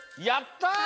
やった！